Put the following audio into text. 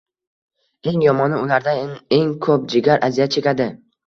Eng yomoni, ulardan eng koʻp jigar aziyat chekadi.